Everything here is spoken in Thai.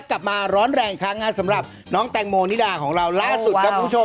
ปัญหาคือหนูยังแก่มให้อ่อแต่จบรายการแล้ว